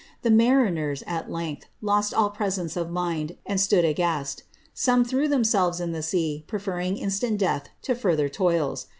Tlie mariners, at length, lo:>t all presence of mind, and stood aghast Some threw themselves in the sm, i)roferring instant death to further toils.